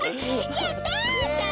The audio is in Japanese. やった！